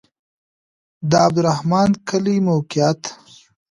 د عبدالرحمن کلی موقعیت